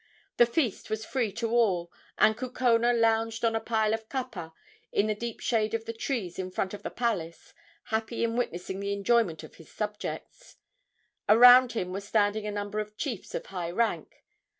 The feast was free to all, and Kukona lounged on a pile of kapa in the deep shade of the trees in front of the palace, happy in witnessing the enjoyment of his subjects. Around him were standing a number of chiefs of high rank.